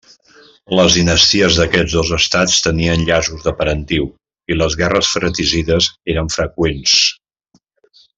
Les dinasties d'aquests dos estats tenien llaços de parentiu i les guerres fratricides eren freqüents.